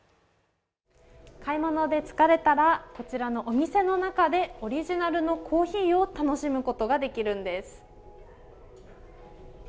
買い物で疲れたら、こちらのお店の中でオリジナルのコーヒーを楽しむことができるんです。